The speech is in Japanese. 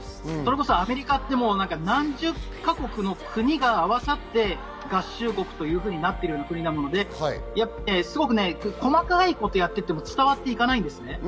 アメリカは何十か国の国が合わさって合衆国となっている国なので、すごく細かいことをやっていても伝わっていかないんです。